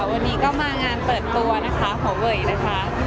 วันนี้ก็มางานเปิดตัวนะคะของเวยนะคะ